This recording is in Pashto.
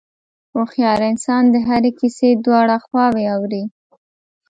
هوښیار انسان د هرې کیسې دواړه خواوې اوري.